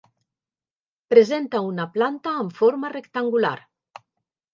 Presenta una planta amb forma rectangular.